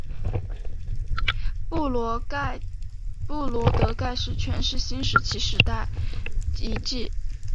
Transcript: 布罗德盖石圈是新石器时代遗迹。